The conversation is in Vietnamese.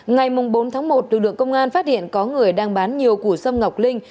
ngày bốn tháng một lực lượng công an phát hiện có người đang bán nhiều củ xâm ngọc linh